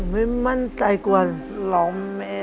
ไม่มั่นใจกว่าล้อง